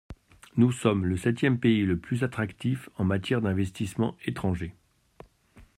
Nous sommes le septième pays le plus attractif en matière d’investissements étrangers.